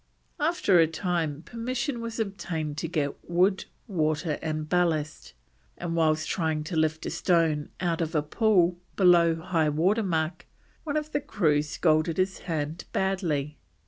After a time permission was obtained to get wood, water, and ballast, and whilst trying to lift a stone out of a pool below high water mark, one of the crew scalded his hand badly.